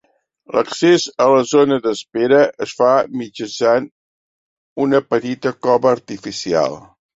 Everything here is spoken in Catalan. L'accés a la zona d'espera es fa mitjançant una petita cova artificial.